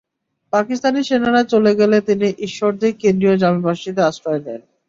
পাকিস্তানি সেনারা চলে গেলে তিনি ঈশ্বরদী কেন্দ্রীয় জামে মসজিদে আশ্রয় নেন।